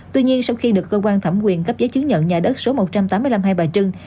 tuy nhiên sau khi được cơ quan thẩm quyền cấp giấy chứng nhận nhà đất số một trăm tám mươi năm hai bà trưng